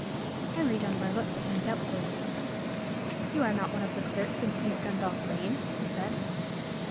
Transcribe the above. Henry Dunbar looked at him doubtfully. "You are not one of the clerks in St. Gundolph Lane?" he said.